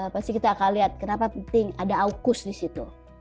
pasti kita akan lihat kenapa penting ada aukus di situ